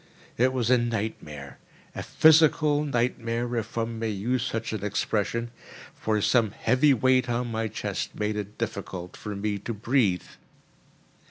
It was as a nightmare—a physical nightmare, if one may use such an expression; for some heavy weight on my chest made it difficult for me to breathe.